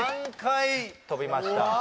３回跳びました